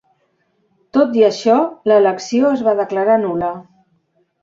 Tot i això, l'elecció es va declarar nul·la.